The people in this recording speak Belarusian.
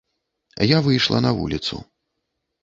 Я выйшла на вуліцу.